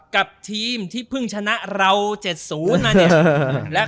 กับทีมที่เพิ่งชนะเรา๗๐แล้ว